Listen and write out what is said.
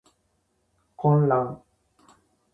混乱